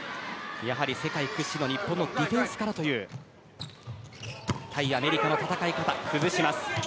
世界屈指の日本のディフェンスからという対アメリカの戦い方。